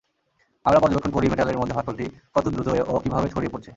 আমরা পর্যবেক্ষণ করি মেটালের মধ্যে ফাটলটি কত দ্রুত ও কিভাবে ছড়িয়ে পড়ছে।